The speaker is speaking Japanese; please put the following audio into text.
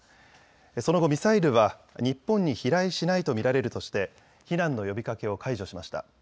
その後、ミサイルは日本に飛来しないと見られるとして避難の呼びかけを解除しました。